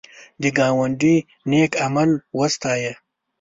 د ګاونډي نېک عمل وستایه